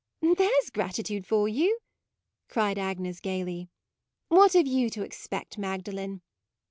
" There 's gratitude for you, " cried Agnes gaily :" What have you to expect, Magdalen